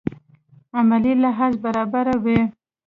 عملي لحاظ برابره وه.